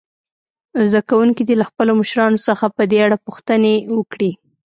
زده کوونکي دې له خپلو مشرانو څخه په دې اړه پوښتنې وکړي.